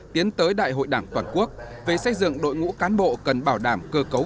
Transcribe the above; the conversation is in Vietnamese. tiến tới đại hội đảng toàn quốc về xây dựng đội ngũ cán bộ cần bảo đảm cơ cấu